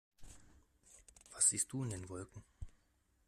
Was siehst du in den Wolken?